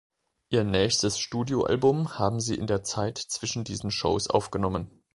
Ihr nächstes Studioalbum haben sie in der Zeit zwischen diesen Shows aufgenommen.